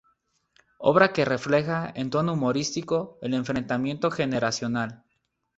Obra que refleja, en tono humorístico, el enfrentamiento generacional.